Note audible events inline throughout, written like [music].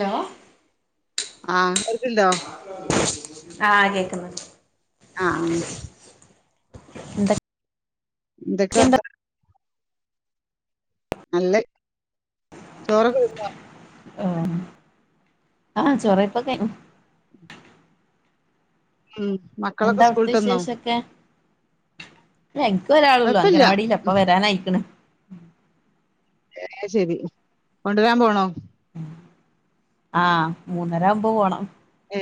Hello? ആ [unintelligible] ആഹ് കേക്കുന്ന് ആ. ന്ത [unintelligible] നല്ല [unintelligible] ഉം ആ ചോറ് കഴിപ്പൊക്കെ ഉം എന്താ മക്കളൊക്കെ സ്കൂള് അവിടുത്തെ വിട്ട് വന്നോ വിശേഷൊക്കെ ഇല്ല എനിക്ക് ഒരാളള്ളൂ കൊഴപ്പല്ല അംഗനവാടില്ല ഇപ്പ വരാനയിക്കണ്. അത് ശെരി കൊണ്ടുവരാൻ പോണോ? ആ മൂന്നരവുമ്പോ പോണം. ഏ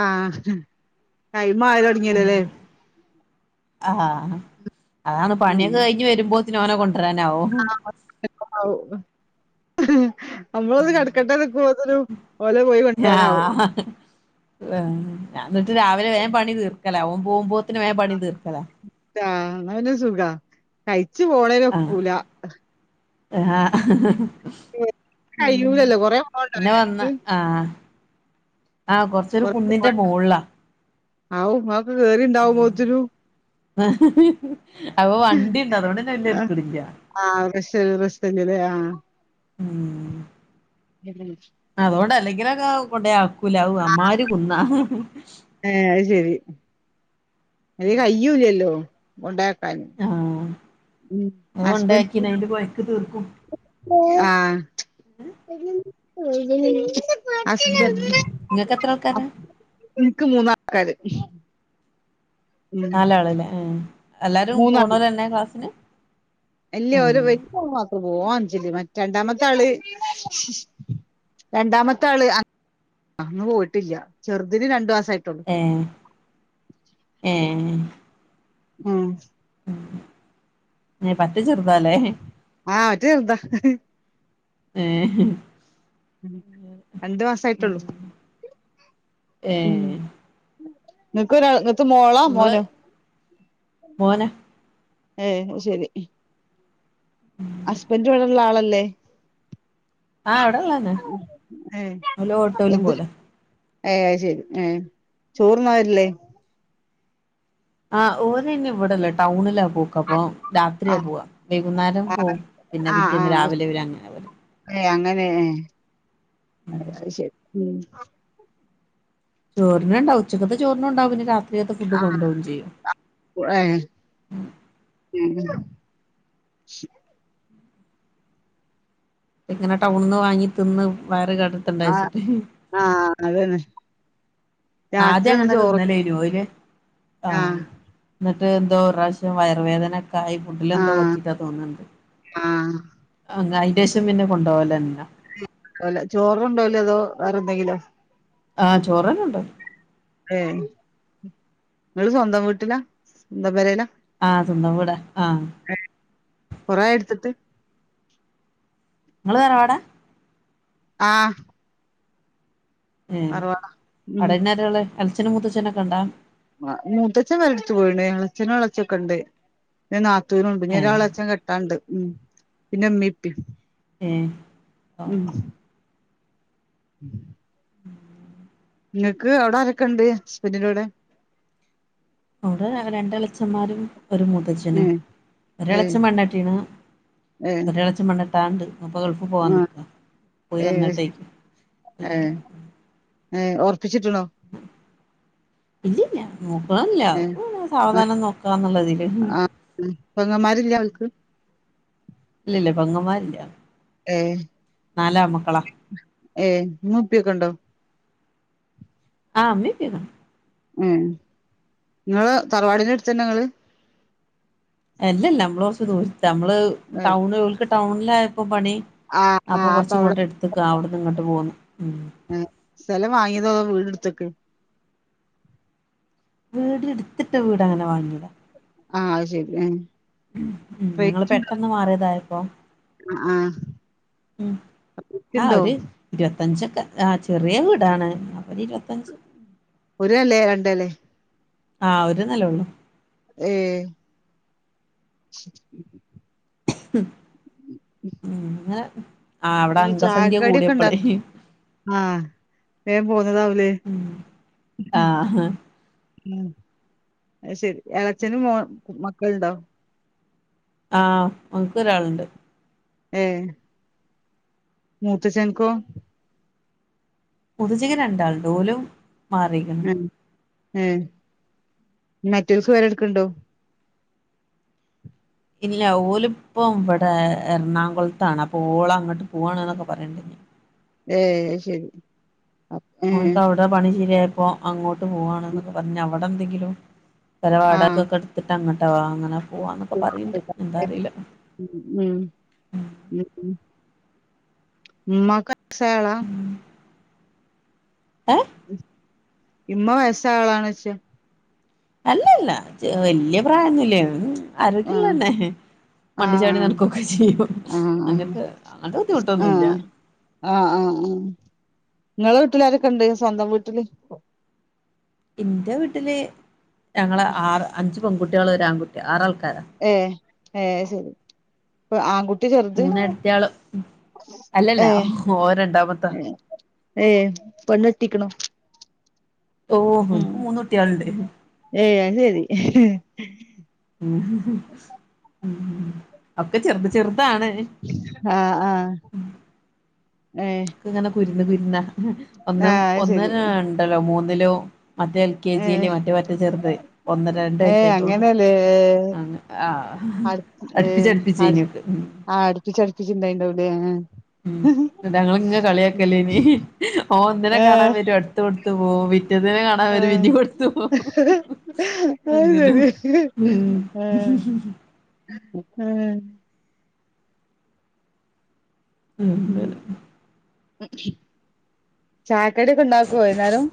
ആ ടൈം ആയി തുടങ്ങിയല്ലല്ലേ? ആ. അതാണ് ഉം പണിയൊക്കെ കഴിഞ്ഞു വരുമ്പോത്തിനും ഓനെ കൊണ്ടുവരാനാവും. ഔ, നമ്മളൊന്ന് കിടക്കട്ടെ നിക്കുമ്പത്തിനും ഓലെ പോയി കൊണ്ടുവരാനാവും. ആ എന്നിട്ട് രാവിലെ വേം പണി തീർക്കല ഓൻ പോകുമ്പോത്തിന് വേം പണി തീർക്കല. ആ എന്ന പിന്നെ സുഖാ കഴിച്ചു പോണേല ഒക്കൂല. ആ. ഉം കയ്യൂലല്ലോ കൊറേ പിന്നെ വന്ന് പോവാണ്ടോരാൾക്ക് ആ. ആഹ് കൊറച്ചരു കൊറേ പോവാ കുന്നിന്റെ മോളിലാ. [unintelligible] ആ അപ്പൊ വണ്ടിണ്ട് അതുകൊണ്ട് [unintelligible] ആഹ് റെസ്റ്റല്ലേ റെസ്റ്റല്ലേ ആഹ് ഉം. [unintelligible] ഇങ്ങനെയൊക്കെ കൊണ്ട ആക്കൂല അമ്മാരി കുന്ന. ഏഹ് അത് ശെരി അത് കയ്യൂല്ലല്ലോ കൊണ്ടാക്കാൻ. ആഹ് ഉം അത് ഹസ്ബൻഡ് കൊണ്ടാക്കിന് അയിന്റെ കൊഴക്ക് തീർക്കും ആഹ് ഹസ്ബൻഡ് ഉം ഇങ്ങക്ക് എത്ര ആൾക്കാരാ എനക്ക് മൂന്നാ ആൾക്കാര്. നാലാളല്ലേ എല്ലാരും പോണോരന്നെ ക്ലാസിന്? അല്ല ഓരോ വലിയ [unintelligible] രണ്ടാമത്തെ ആള് രണ്ടാമത്തെ ആള് അന്ന് പോയിട്ടില്ല ചെറുതിന് രണ്ടു മാസ ഏ ഏ. ഉം. ന പറ്റ ചെറുതല്ലേ ആഹ് മറ്റേ ചെറുതാ ഏ ഉം രണ്ട് മാസ ആയിട്ടുള്ളു ഉം ഏഹ് നിക്ക് ഒരാ മോളോ നിങ്ങള് മോനോ മോനാ ഏ ശരി ഹസ്ബൻഡ ഇവിടെള്ള ആളല്ലേ ആഹ് ഇവടെള്ളന്നെ ഏ ഓല് ഓട്ടോല് എന്ത് പോവലാ ഏ ശരി ഏ ചോറൊന്നുമായിട്ടില്ലേ ആ ഓരന്നെ ഇവിടെല്ല ടൗണില പോക്കപോ ആഹ് രാത്രിയാ പോവാ വൈകുന്നേരം പോകവും പിന്നെ പിറ്റേന്ന് രാവിലെ വരെ അങ്ങനെ വര ഏയ് അങ്ങനെ ഏ അ ശ ചോറിണണ്ടാവ ഉച്ചക്കത്തെ ചോറിനും ഉണ്ടാവും പിനി രാത്രി ആ ഏ ഉം ശ ഇങ്ങനെ ടൗണന്ന് വാങ്ങി തിന്ന് വയറ് ക ആഹ് കേടരുത്തണ്ടച്ചിട്ട് ആഹ് അതന്നെ രാത്രി ആദ്യം എന്താ അങ്ങനെ ചോറ് തിന്നലേന്നു ഓല് ആ ആഹ് എന്തോ പ്രാവശ്യ വയർവേദനക്ക കായ് ഫുട്ടിൽ എന്തോ ആഹ് പറ്റികാ തോന്നണ്ട് ആഹ് അങ്ങ ശേഷം പിന്നെ കൊണ്ടകലന്ന അല്ല ചോറ്ണ്ടോലേ അതോ വേറെന്തെങ്കിലോ ആചൂറന്നേ ഏ നിങ്ങള് സ്വന്തം വീട്ടില്ല സ്വന്തം പരല ആഹ് സ്വന്തം വീടാ ആഹ് കൊറയൊഎടുത്തിട്ട് നിങ്ങള് തറവാടാ ആ ഉം ഉം അവിടിന്നാരാള്ളെ വല്യച്ഛനും മുത്തച്ഛനൊക്കെ ഉണ്ടാ ആ മുത്തച്ഛൻ മരിച്ചു പോയിണ് ഇളയച്ചനും ഇളയച്ചി ഓക്കെയുണ്ട് നാത്തൂനുണ്ട് പിന്ന ഏഹ് ഒരെളയച്ഛൻ കെട്ടാണ്ട് ഉം പിന്നെ ഉമ്മീം ഇപ്പിം ഏഹ് ഉം [inaudible] നിങ്ങക്ക് അവിട ആരൊക്കെണ്ട് ഹസ്ബൻ്റിൻ്റൂടെ അവിടെ രണ്ടെളയച്ചന്മാരും ഒരു മൂത്താച്ഛനും ഏഹ് ഏഹ് ഒരെളയച്ഛൻ പെണ്ണ്ട്ടീക്കണ് ഏഹ് ഒരെളയച്ചൻ പെണ്ണ് ഇപ്പോൾ ഗൾഫ് പോവാൻ ആഹ് നിൽക്കുക പോയി ഏഹ് വന്നിട്ടേ ഏഹ് ഏ ഒറപ്പിച്ചിട്ടുണ്ടോ ഇല്ലില്ല നോക്കണില്ല ഏ ആ സാവധാനം നോക്കാന്നുള്ളതില് ആ ഉം. പെങ്ങന്മാരില്ല അവൾക്ക് ഇല്ല ഇല്ല പെങ്ങന്മാരില്ല ഏ നാലാമക്കളാ ഏ ഇമ്മീം ഇപ്പീംക്കെ ഉണ്ടോ ആ ഇമ്മീം ഇപ്പീം ഒക്കെ ഉണ്ട് ഉം നിങ്ങള് തറവാടിന്റെ അടുത്തുതന്നാ നിങ്ങള് അല്ലല്ല നമ്മള് കുറച്ച് ദൂരത്ത് നമ്മള് ഏ ടൗണുകൾക്ക് ടൗണിലാ ഇപ്പ പണി ആ ആ അപ്പൊ കൊറച്ച് അവിടെ ഇങ്ങോട്ട് എടുത്തുക്കാ അവിടുന്ന് ഇങ്ങോട്ട് പോ ഏ, സ്ഥലം വാങ്ങിയതോ അതോ വീട് എടുത്തക്ക് വീട് എടുത്തിട്ട വീട് അങ്ങനെ വാങ്ങിയതാ ആ അയ് ശെരി ഉം ഞങ്ങള് പെട്ടെന്ന് മാറിയതായപ്പോ ആഹ് ഉം ആ ഒരു ഇരുപത്തഞ്ചൊക്കെ ആ ചെറിയ വീടാണ് ഒരു ഇരുപത്തഞ്ച് ഒരു അല്ലേ രണ്ടല്ലേ ആഹ് ഒരു നില ഉള്ളു ഏഹ് ഉം ആ അവിടെ അംഗസംഖ്യ കൂടിയപ്പോളേ ആഹ് വേഗം പോന്നതാവൂലേ ഉം ആഹ് ഹ് ഉം ശെരി ഇളയച്ചനും മോ മക്കളുണ്ടോ ആഹ് എനക്കും ഒരാളുണ്ട് ഏഹ് മൂത്ത ചേട്ട്നിക്കോ മൂത്താച്ചിക്ക് രണ്ടാളുണ്ട് ഓലും മാറിക്കണ് ഉം മെറ്റൽസ് വേറെ എടുക്കണുണ്ടോ ഇല്ല ഓലിപ്പം ഇവിടെ എറണാകുളത്താണ് അപ്പൊ ഓള് അങ്ങോട്ട് പോവാണ് എന്നൊക്കെ പറയണ്ട് ഏഹ് ശെരി ഓന്ക്ക് അവിടെ പണിശെരിയായപ്പോ അങ്ങോട്ട് പോവാണ് എന്നൊക്കെ പറഞ്ഞ് അവിടെ എന്തെങ്കിലും ആ പരുപാടൊക്കെ കൊടുത്തിട്ട് അങ്ങട്ട് ഫോവാം അങ്ങനെ പോവാന്നൊക്കെ ഉം പറയണ്ട് എന്താ അറിയില്ല ഉം [unintelligible] ഏ ഇമ്മ വയസാളാണെച്ച് അല്ലല്ല വല്യ പ്രായൊന്നില്ല്യ ആ ആരോഗ്യവുള്ള തന്നെ ആ ആ മണ്ടേച്ചാടി നടക്കൊക്കെ ചെയ്യും ആ അങ്ങനത്തെ അങ്ങനത്തെ ബുദ്ധിമുട്ടൊന്നുമില്ല ആഹ് ആഹ് ആഹ് നിങ്ങളെ വീട്ടിലാരൊക്കെ ഇണ്ട് സ്വന്തം വീട്ടില് എന്റെ വീട്ടില് ഞങ്ങള് ആറ് അഞ്ച് പെൺകുട്ടികള് ഒരു ആൺകുട്ടി ആറാ ഏ ഏ ശരി ഇപ്പൊ ആൺകുട്ടി കൂട്യ ചേർത്ത് മൂന്നേടത്തിയാള് അല്ലല്ല ഓൻ രണ്ടാമത്താ ഏ് പണ്ട്ടിക്കണം ഓ ഇപ്പ മൂന്നൂറ്റിയളണ്ട്േ ആഹ് ഒക്കെ ചെറുത് ചെറുത് ആഹ ആഹ ഇങ്ങനെ കുരുന്ന് കുരുന്ന ആ ഒന്നും അത് ഒന്ന ശരി ഉണ്ടല്ലോ മൂന്നിലോ മറ്റേ എൽ കെ ഏ ജിയിലേ മറ്റേ മറ്റ ചെറുത ഒന്ന് രണ്ട് ഏ വയസ്സായിട്ടുള്ളു അങ്ങനെല്ലേ ആ അടു ഏ അടുപ്പിച്ച അടു അടുപ്പിച്ചച്ച്ഞ്ഞ ആ അടുപ്പിച്ച അടുപ്പിച്ച ചിന്ത ഉുണ്ടവിടെ ഉ ഞങ്ങിങ്ങ കളിയാക്കല്ലേ ഇനി ഓ ഒന്നിനെ കാണാൻ ആഹ് വരും അടുത്ത ത വ വി പിറ്റത്തിനെ കാണാൻ വരും ആഹ് പിന്നെ കൊടുത്തു അത് അങ്ങനെ ശരി ഉ ഉം ഉം ഉെ ഉ ചാക്കടി ഒക്കെ ഉണ്ടാക്കുവോ എന്നുന്നാലും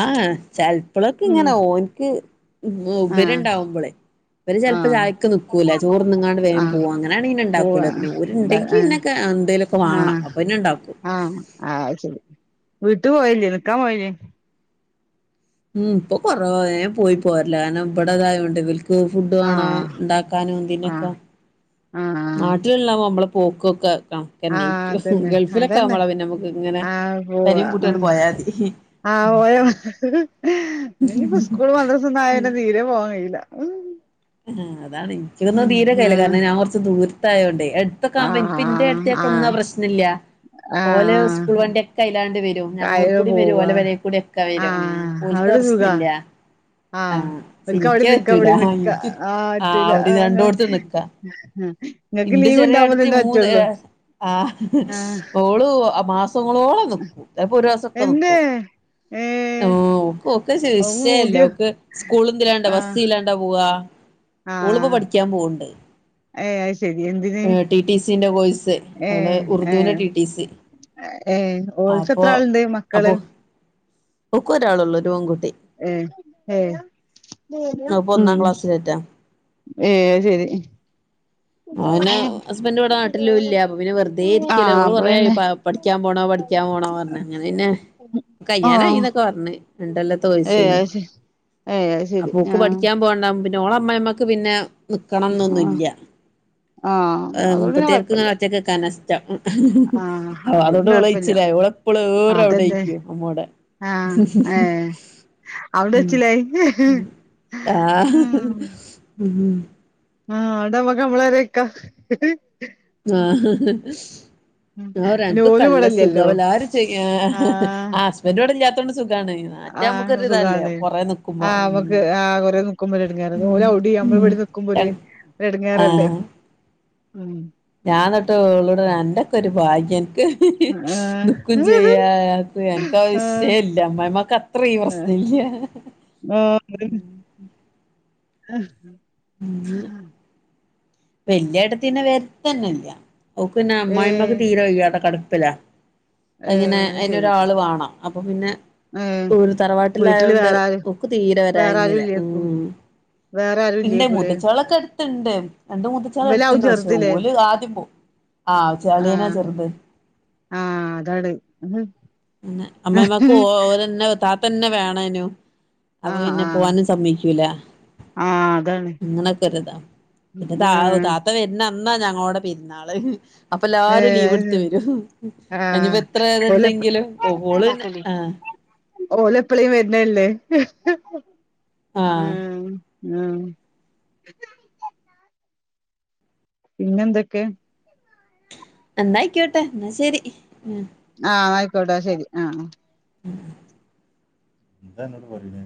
ആഹ ചിലപ്പോളൊക്കെ ഉം ഇങ്ങനെ ഓനിക്ക് ഉ ആഹ് ഉപരിണ്ടാവുമ്പോളെ ഇ ചിലപ്പോ ആഹ് ചായക്ക് നക്കൂല ചോർന്നങ്ങാണ്ട് വേ ആഹ് പോകും അങ്ങനാണെങ്ങനെ പോവ ഉണ്ടാക്കൂല പിന്നെ ഒരുണ്ടെങ്കിൽ ആഹ് ഇന്നക്ക എന്തേലൊക്കെ വേണം ആഹ് അപ്പൊ പിന്നെ ഇണ്ടാക്കും വീട്ടു പോയില്ലേ നിനക്കാൻ പോയില്േ ഉം ഇപ്പൊ കൊറവ വേം പോയി പോരലാ കാരണം ഇവിടെതായോണ്ട ഇവൽക്ക് ഫുഡ് വേണോ ആഹ് ഉണ്ടാക്കാനോ ഇന്തിനൊക്കെ ആഹ് ആഹ് നാട്ടിലഉുള്ളാവോ നമ്മള പോക്കൊക്കെ ആഹ് കണക്കെന്നായ്ക്കും അതന്നെ ഗൾഫിലൊക്കെ അതന്നെ ആവുമ്പോള പിന്നെ നമ്മുക്ക് ഇങ്ങനെ പേരിം പൂട്ടി അങ്ങട്ട് പോയാതി ആ പോയമതി ഇനിപ്പോ സ്കൂൾ മദ്രസന്നും ആയ പിന്നെ തീരെ പോവാാൻ കഴിയില്ല ആ അതാണ് ൻക്കൊന്നും തീരെ കയ്യില്ല ഉം കാരണം ഞാൻ കുറച്ചു ദൂരത്തായോണ്ടേ എടുത്തൊക്കെ ആഹ് ആവുമ്പോ ന്റെ ആഹ് ആഹ് ഏടത്തിയൊക്കൊന്നും ആ പ്രശ്നല്ല്യ ഓലെ സ്കൂൾ ആഹ് വണ്ടിൊക്കെ അയില്ലാണ്ട് വരും ഞങ്ങോട് കായ് കൂടി വരും ഓല പോവാ പേരെ കൂടിയൊക്കെ വരും ആഹ് അപ്പൊൽക്ക് അവിടെ സുഖാ പ്രശ്നില്ല്യ ആഹ് ഓൽക്ക് അവിടെ ആൻക്ക്യ നിക്കാ പറ്റൂല ഇവിടെ നിക്കാ ആഹ് പറ്റൂല അവിടെ ആഹ് രണ്ടോടത്ത് നിക്കാ ഇങ്ങക്ക് ഇന്റെ ലീവ് ചെറിയ ഉണ്ടാവുമ്പോ ഏട്ത്തി തന്നെ മൂന്ന് പറ്റുള്ളൂ ആഹ് ആഓള് മാസങ്ങളോളം നിക്കും അപ്പ ഒരു മാസൊക്കെ എന്തേ നിക്കും ഓ ഏഹ് ഓക്ക് ക്കെ ഓക്ക് വിഷയല്ല പൂതിയോ സ്കൂളതിലാണ്ട ബസ് ആഹ് ഇതിലാ ണ്ടാ പോവാ ഓളിപ്പൊ പഠിക്കാൻ പോണ്ട് ഏയ് ശെരി എന്തിന് ടി സിന്റെ കോഴിസ് അവള് ഉർദുന്റെ ടി ടി സി ഏ ഓൾക്കെത്ര ആൾണ്ട് മക്കള് ഓക്കൊരാളോള്ളൂ ഒരു പെൺകുട്ടി ഏ ഏ അപ്പൊ ഒന്നാം ഉം ക്ലാസ്സിലെറ്റാ ഏ ശരി [unintelligible] അങ്ങനെ ആഹ് ഹസ്ബൻഡ് ഇവിടെ നാട്ടിലുല്ല്യ അപ്പൊ പിന്നെ വെറുതെ ഇരിക്കല്ലേ ഓൾ അപ്പൊ കൊറേയായി പിന്നെ പിക്കാൻ പോണോ പഠിക്കാൻ പോണോ പോണം പറഞ്ഞ അങ്ങനെന്നെ കയ്യാനായി ആഹ് എന്നൊക്കെ പറഞ്ഞണ് രണ്ടോല്ലത്തെ ഏയ് കോഴ്സിന് അത് ശരി ഏയ് അത് ശരി അപ്പൊ ഓക്ക് ആഹ് പഠിക്കാൻ പോണ്ടാ ഓളമ്മായിമ്മക്ക് പിന്നെ നിക്കണം ആഹ് എന്നൊന്നുല്ല്യ ആഹ് അതുകൊണ്ട് പിന്നെ മുപ്പത്തേർക്കങ്ങനെ കൊഴപ്പല്ല ഒറ്റക്ക്ക്കാനാഷ്ടം ആഹ് അ അതുകൊണ്ട് ഓൾ കൊഴപ്പല്ല കയ്ച്ചിലായി ഉളപ്പോളും അതന്നെ റെവിടെയിക്കു അമ്മോടെ ആഹ് [unintelligible] ഏഹ് അവിടെ ഉം കയ്ചിലായി ഉ ഉ ആആടെ നമ്മളെ പോരേൽ നിക്കാ ആ പിന്നെ അന്ക്കൊക്കെ ഓല് നല്ല ഇവടല്ലല്ലോ സുഖവും എല്ലാരും ചോയ്ക്ക ആഹ് ആ ഹസ്ബൻഡോടെല്ലത്തെ ആഹ് സുഖാണ് പൊറേ നിക്കുമ്പോ ആ ഉം അവക്ക് ആ കുറെ നിക്കുമ്പല എടങ്ങേറ് ഉം ഓൽ അവിടിം നമ്മള് വിടെനിക്കുമ്പോര് ഉം ഒരു ഇടങ്ങേറല്ലേ ആഹ് ഞാൻ ന്നിട്ട് ഓളോട് അന്റെക്കൊരു ഭാഗ്യം എനിക്ക് ആഹ് ന്തും ചെയ്യാ നിനക്ക ആഹ് വിശയവില്ല അമ്മായമ്മക്ക അത്രയും പ്രശ്നല്ല്യ അഹ് പിന്ന വല്യെട്ടത്തിപിന്നെ വെര്ത്തന്നല്ല്യ ഓക്ക് പിന്നെ അമ്മായിമ്മക്ക് ഏഹ് തീരെ വയ്യതെ കട [unintelligible] അങ്ങനെ അത് ശരി അതിനൊരാള് വേണം അപ്പൊ പിന്നെ ഏഹ് ഓര് വീട്ടില് തറവാട്ടിലായോണ്ട് വേറെ ആര് ഓക്ക് തീരെ വരാൻ വേറെ ആരും കയ്യില്ല ഇല്ലേക്കും വേറെ ആരും ണ്ട് ഇല്ലേക്കൂലേ മുത്തചോളൊക്കെ അട്ത്തിണ്ട് രണ്ട് മുത്തച്ചാളൊക്കെ ഇവലാവും അട്ത്തിണ്ട് പക്ഷേ ചെറുതില്ലേ ഓല് ആദ്യം പോവും ആഹ് ചളിയനാ ആഹ് ചെറുത് ആഹ് അതാണ് ആഹ് അമ്മായമ്മാക്ക് ഓരന്നെ താത്തന്നെ വേണേനു അപ്പൊ പിന്നെ ആഹ് പോവാനും സമ്മയ്ക്കൂല ആഹ് അതാണ് അങ്ങനൊക്കൊരിതാ പിന്നെ ത ഏഹ് താത്ത വരുന്ന ന്നാ ഞങ്ങളോടെ പിരുന്നാള് അപ്പൊ എല്ലാരും ഏഹ് ലീവ് അത് എടുത്ത് ശരി വരും അനിപ്പോ ആഹ് എത്ര ഓല് ഏതുണ്ടെങ്കിലും പോള്ന്നെ ഇതാക്കല്ലേ ആഹ് ആഹ് മ്മ് മ്മ് പിന്നെന്തൊക്കെ എന്നായിക്യോട്ടെ എന്നാ ശരി മ്മ് ആ ആയിക്കോട്ടെ ആ ശരി ആ ആ എന്താ എന്നോട് പറയ്ണേ?